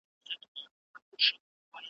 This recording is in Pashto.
سپی را ولېږه چي دلته ما پیدا کړي .